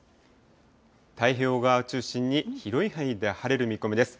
太平洋側を中心に広い範囲で晴れる見込みです。